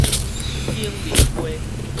景明街